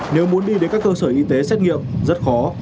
nếu muốn đi đến các cơ sở y tế xét nghiệm rất khó